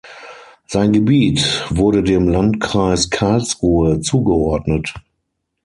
Sein Gebiet wurde dem Landkreis Karlsruhe zugeordnet.